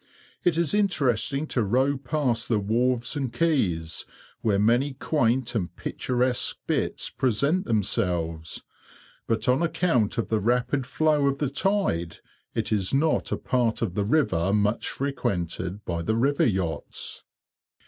It is interesting to row past the wharves and quays, where many quaint and picturesque bits present themselves, but on account of the rapid flow of the tide, it is not a part of the river much frequented by the river yachts.